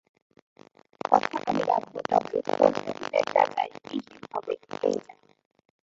কথা আমি রাখব, তবে পনর দিনের জায়গায় বিশ দিন হবে, এই যা।